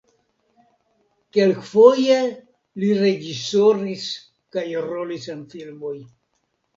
Kelkfoje li reĝisoris kaj rolis en filmoj.